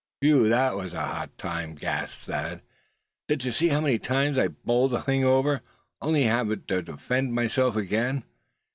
"Whew! that was a hot time!" gasped Thad. "Did you see how many times I bowled the thing over, and only to have to defend myself again?